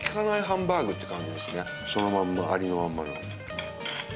そのまんまありのまんまの。